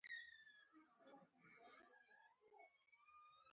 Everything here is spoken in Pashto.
کاري پلان د ترسره کیدو نیټه لري.